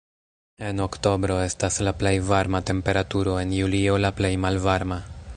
En oktobro estas la plej varma temperaturo, en julio la plej malvarma.